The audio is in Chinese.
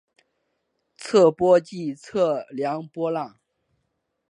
测波即测量波浪。